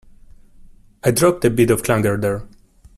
I dropped a bit of a clanger there.